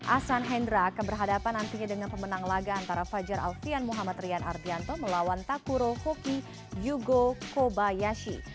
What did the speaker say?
asan hendra akan berhadapan nantinya dengan pemenang laga antara fajar alfian muhammad rian ardianto melawan takuro koki yugo kobayashi